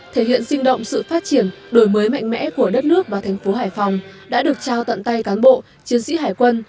thể hiện sinh động sự phát triển đổi mới mạnh mẽ của đất nước và thành phố hải phòng đã được trao tận tay cán bộ chiến sĩ hải quân